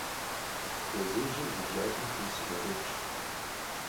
Бадзэжьыр вы бжьакъуэм тесу къекӀуэкӀырт.